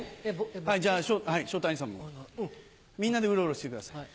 じゃあ昇太兄さんもみんなでウロウロしてください。